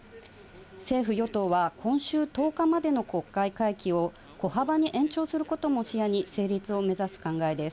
政府・与党は今週１０日までの国会会期を小幅に延長することも視野に成立を目指す考えです。